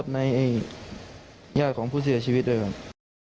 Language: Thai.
ในยาวของผู้เสียชีวิตเลยค่ะ